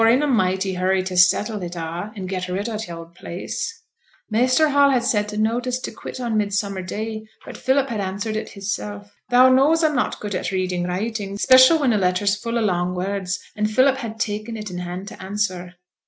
Yo' were in a mighty hurry to settle it a', and get rid on t' oud place.' 'Measter Hall had sent a notice to quit on Midsummer day; but Philip had answered it hisself. Thou knows I'm not good at reading writing, 'special when a letter's full o' long words, and Philip had ta'en it in hand to answer.'